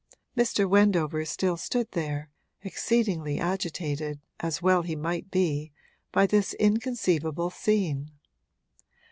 Mr. Wendover still stood there, exceedingly agitated, as well he might be, by this inconceivable scene.